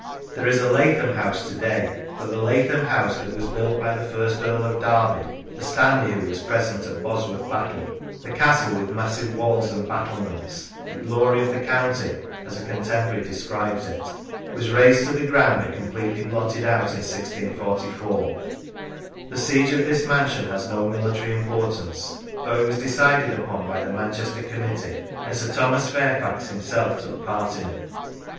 There is a Lathom House to day, but the Lathom House that was built by the first Earl of Derby (the Stanley who was present at Bosworth Battle), the castle with massive walls and battlements, " the glory of the county," as a contemporary describes it, was razed to the ground and completely blotted out in 1644. The siege of this mansion has no military importance, though it was decided upon by the Manchester Committee and Sir Thomas Fairfax himself took part in it.